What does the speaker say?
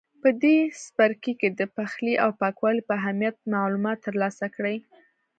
په دې څپرکي کې د پخلي او پاکوالي په اهمیت معلومات ترلاسه کړئ.